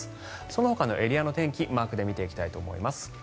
そのほかのエリアの天気マークで見ていきたいと思います。